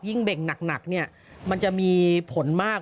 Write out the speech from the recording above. ยิ่งเบงหนักมันจะมีผลมาก